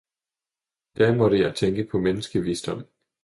Da måtte jeg tænke på menneskevisdom.